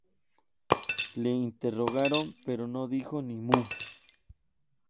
Le interrogaron pero no dijo ni mu